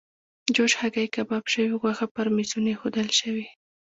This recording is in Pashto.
جوشې هګۍ، کباب شوې غوښه پر میزونو ایښودل شوې.